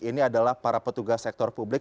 ini adalah para petugas sektor publik